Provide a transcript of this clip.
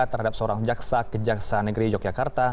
terhadap seorang jaksa kejaksaan negeri yogyakarta